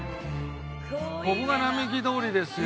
ここが並木通りですよ。